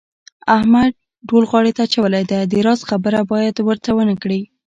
احمد ډول غاړې ته اچولی دی د راز خبره باید ورته ونه کړې.